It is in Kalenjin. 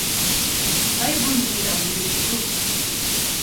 Aipun kiy apunu sukul